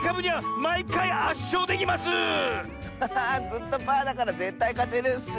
ずっとパーだからぜったいかてるッス！